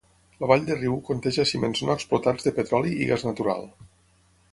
La vall de riu conté jaciments no explotats de petroli i gas natural.